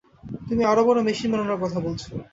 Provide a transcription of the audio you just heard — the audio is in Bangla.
তুমি আরও বড়ো মেশিন বানানোর কথা বলছো।